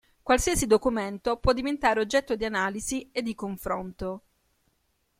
Qualsiasi documento può diventare oggetto di analisi e di confronto.